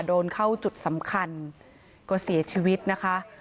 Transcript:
โดนเข้าจุดสำคัญก็เสียชีวิตนะคะ